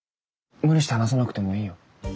無理して話さなくてもいいよ。